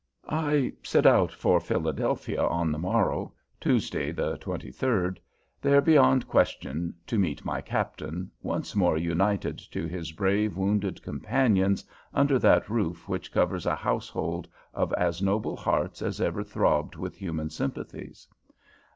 I set out for Philadelphia on the morrow, Tuesday the twenty third, there beyond question to meet my Captain, once more united to his brave wounded companions under that roof which covers a household of as noble hearts as ever throbbed with human sympathies.